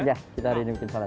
iya kita hari ini bikin salad